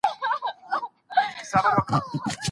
مستري په اوږه باندي ګڼ توکي ونه راوړل.